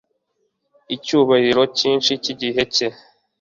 Icyubahiro cyinshi cyigihe cye